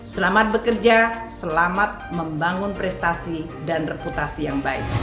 selamat bekerja selamat membangun prestasi dan reputasi yang baik